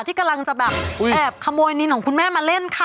ที่กำลังจะแบบแอบขโมยนินของคุณแม่มาเล่นค่ะ